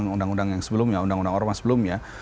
undang undang yang sebelumnya undang undang orang mas sebelumnya